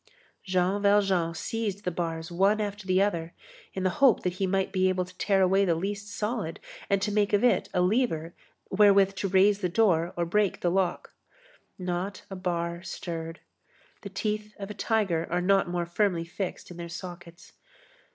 Jean Valjean seized the bars one after the other, in the hope that he might be able to tear away the least solid, and to make of it a lever wherewith to raise the door or to break the lock. Not a bar stirred. The teeth of a tiger are not more firmly fixed in their sockets.